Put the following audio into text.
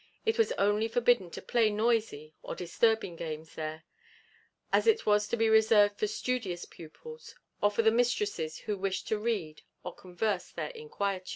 It was only forbidden to play noisy or disturbing games there; as it was to be reserved for studious pupils, or for the mistresses who wished to read or converse there in quietude.